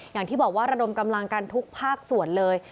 อย่างที่บอกว่าระดมกำลังกันทุกภาคส่วนเลย